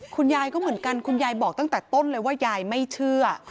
คุณยายก็เหมือนกันคุณยายบอกตั้งแต่ต้นเลยว่ายายไม่เชื่อ